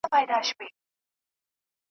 بیا به وینی چي رقیب وي له جنډۍ سره وتلی .